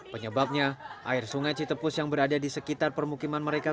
penyebabnya air sungai citepus yang berada di sekitar permukiman mereka